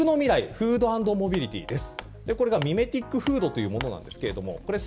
フード＆モビリティです。